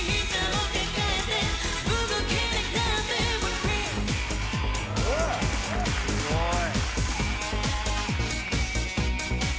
すごい！